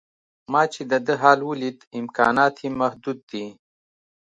ما چې د ده حال ولید امکانات یې محدود دي.